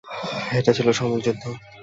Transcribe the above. এটা ছিল সম্মুখ যুদ্ধ।